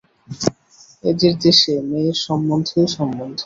এদের দেশে মেয়ের সম্বন্ধেই সম্বন্ধ।